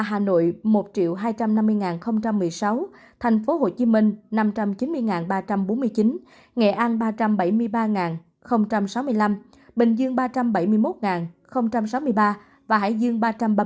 hà nội một hai trăm năm mươi một mươi sáu thành phố hồ chí minh năm trăm chín mươi ba trăm bốn mươi chín nghệ an ba trăm bảy mươi ba sáu mươi năm bình dương ba trăm bảy mươi một sáu mươi ba hải dương ba trăm ba mươi bốn hai trăm tám mươi hai